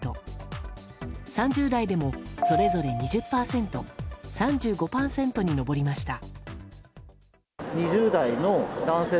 ３０代でも、それぞれ２０％、３５％に上りました。